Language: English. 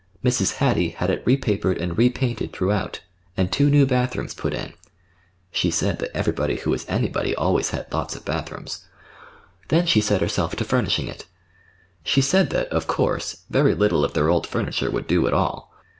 Mrs. Hattie had it repapered and repainted throughout and two new bathrooms put in. (She said that everybody who was anybody always had lots of bathrooms.) Then she set herself to furnishing it. She said that, of course, very little of their old furniture would do at all.